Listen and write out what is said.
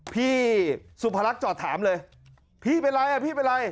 พี่สุพรรคจอดถามเลยพี่เป็นไรอ่ะพี่เป็นไร